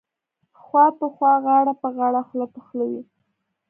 خوا په خوا غاړه په غاړه خوله په خوله وې.